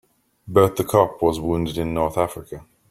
Bert the cop was wounded in North Africa.